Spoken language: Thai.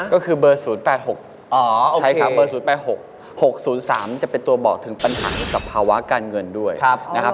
ก็คือเบอร์๐๘๖เบอร์๐๘๖๖๐๓จะเป็นตัวบอกถึงปัญหากับภาวะการเงินด้วยนะครับ